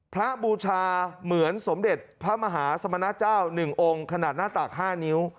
บูชาเหมือนสมเด็จพระมหาสมณเจ้า๑องค์ขนาดหน้าตาก๕นิ้ว